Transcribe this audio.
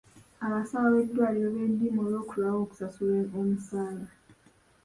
Abasawo b'eddwaliro beediima olw'okulwawo okusasulwa omusaala.